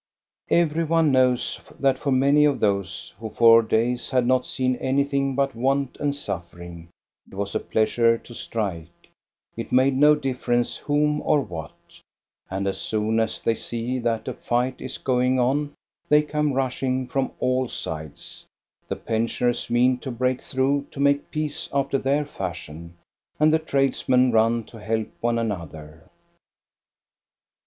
Every one knows that for many of those who for days had not seen anything but want and suffering, it was a pleasure to strike, it made no difference whom or what. And as soon as they see that a fight BROBY FAIR 43 1 is going on they come rushing from all sides. The pensioners mean to break through to make peace after their fashion, and the tradesmen run to help one another.